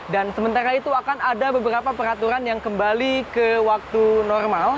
sementara itu akan ada beberapa peraturan yang kembali ke waktu normal